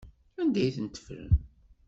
Anda ay ten-teffrem?